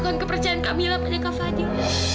bukan kepercayaan kak mila apalagi kak fadil